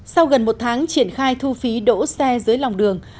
sau gần một tháng triển khai thu phí đỗ xe dưới lòng đường